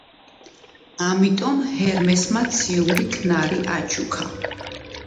ამიტომ ჰერმესმა ციური ქნარი აჩუქა.